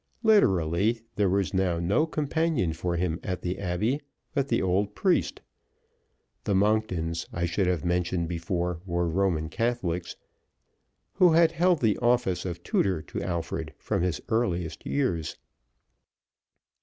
Literally, there was now no companion for him at the Abbey but the old priest the Monktons, I should have mentioned before, were Roman Catholics who had held the office of tutor to Alfred from his earliest years.